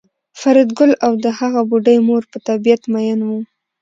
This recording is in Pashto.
فریدګل او د هغه بوډۍ مور په طبیعت میئن وو